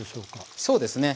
そうですね。